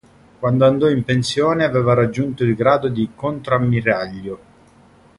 Quando andò in pensione, aveva raggiunto il grado di contrammiraglio.